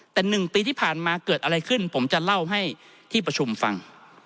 แต่๑ปีที่ผ่านมาเกิดอะไรขึ้นผมจะเล่าให้ที่ประชุมฟัง